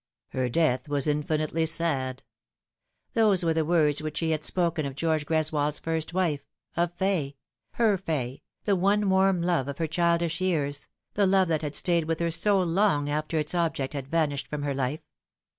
" Her death was infinitely sad." Those were the words which he had spoken of George Gres wold's first wife : of Fay, her Fay, the one warm love of her childish years, the love that had stayed with her so long after its object had vanished from her life.